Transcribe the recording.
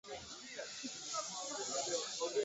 Bakteria wa kimeta huweza kustahimili joto kali na hata ukame